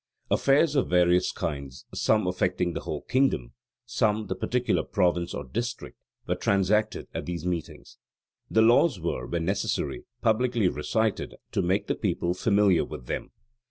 Affairs of various kinds, some affecting the whole kingdom, some the particular province or district, were transacted at these meetings. The laws were, when necessary, publicly recited to make the people familiar with them.